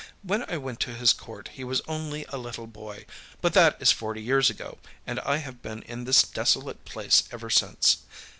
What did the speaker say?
When I went to his Court he was only a little boy, but that is forty years ago, and I have been in this desolate place ever since.